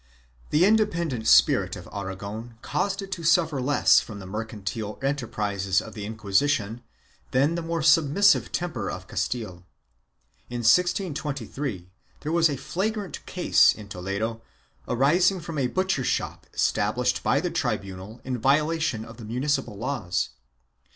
1 The independent spirit of Aragon caused it to suffer less from the mercantile enterprises of the Inquisition than the more submissive temper of Castile. In 1623 there was a flagrant case in Toledo, arising from a butcher shop established by the tribunal in violation of the municipal laws.